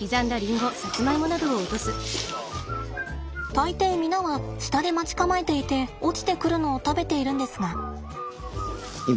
大抵皆は下で待ち構えていて落ちてくるのを食べているんですが。